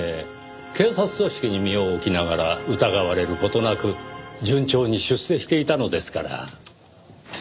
警察組織に身を置きながら疑われる事なく順調に出世していたのですから。